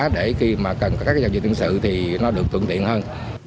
để khi mà cần các giao diện tương sự thì nó được tượng tiện hơn